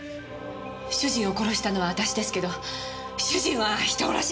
主人を殺したのは私ですけど主人は人殺しなんかしてません。